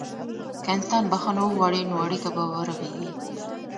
که انسان بخښنه وغواړي، نو اړیکه به ورغېږي.